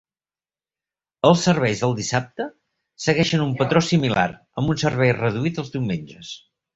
Els serveis del dissabte segueixen un patró similar, amb un servei reduït els diumenges.